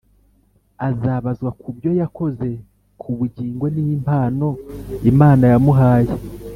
azabazwa ku byo yakoze ku bugingo n'impano Imana yamuhaye.